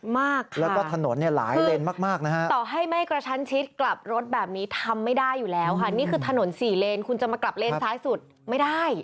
มากค่ะคือต่อให้ไม่กระชั้นชิดกลับรถแบบนี้ทำไม่ได้อยู่แล้วค่ะนี่คือถนน๔เลนคุณจะมากลับเลนซ้ายสุดไม่ได้